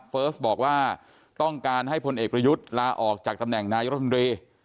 เฟิร์สบอกว่าต้องการให้พลเอกประยุทธ์ลาออกจากตำแหน่งนายรัฐมนตรี